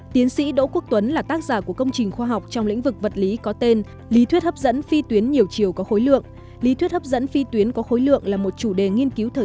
tiến sĩ đỗ quốc tuấn là tác giả của công trình khoa học trong lĩnh vực vật lý có tên lý thuyết hấp dẫn phi tuyến nhiều chiều có khối lượng